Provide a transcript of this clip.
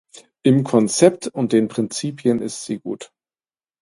Im Konzept und den Prinzipien ist sie gut.